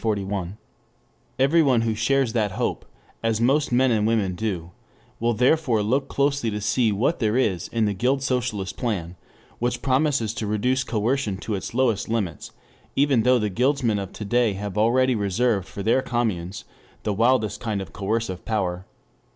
] Everyone who shares that hope, as most men and women do, will therefore look closely to see what there is in the Guild Socialist plan which promises to reduce coercion to its lowest limits, even though the Guildsmen of to day have already reserved for their communes the widest kind of coercive power.